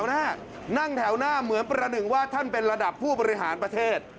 ก็มานั่งแถวหน้าเหมือนรักห่วงว่าท่านเป็นระดับผู้หัวบริหารประเทศ